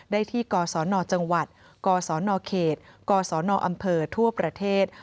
ได้ที่กศนจังหวัดกศนเขตกศนอำเภอทั่วประเทศ